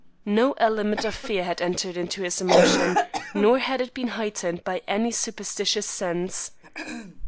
No element of fear had entered into his emotion; nor had it been heightened by any superstitious sense.